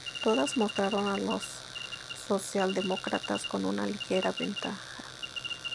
Todas mostraron a los socialdemócratas con una ligera ventaja.